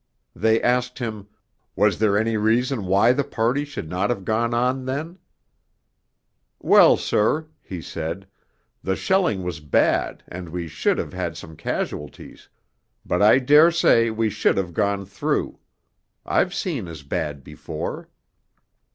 They asked him, 'Was there any reason why the party should not have gone on then?' 'Well, sir,' he said, 'the shelling was bad, and we should have had some casualties, but I daresay we should have got through. I've seen as bad before.'